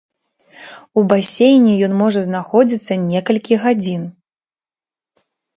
У басейне ён можа знаходзіцца некалькі гадзін.